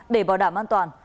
để bảo đảm an toàn